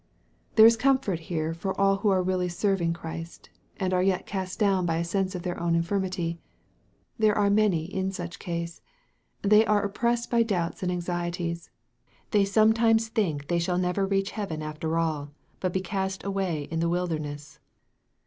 There is comfort here for all who are really serving Christ, and are yet cast down by a sense of their own infirmity. There are many in such case. They are oppressed by doubts and anxieties. They sometimes think they shall never reach heaven after all, but be cast away in the wilderness.